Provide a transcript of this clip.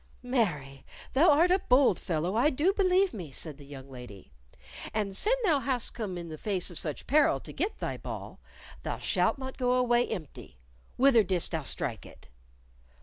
"Marry, thou art a bold fellow, I do believe me," said the young lady, "and sin thou hast come in the face of such peril to get thy ball, thou shalt not go away empty. Whither didst thou strike it?"